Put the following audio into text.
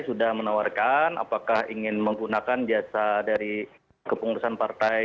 sudah menawarkan apakah ingin menggunakan jasa dari kepengurusan partai